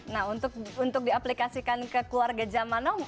nah untuk di aplikasikan ke keluarga jamanong